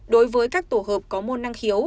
đối với các tổ hợp có môn năng khiếu